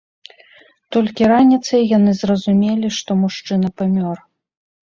Толькі раніцай яны зразумелі, што мужчына памёр.